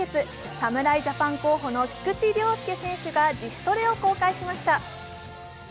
侍ジャパン候補の菊池涼介選手が自主トレを公開しました。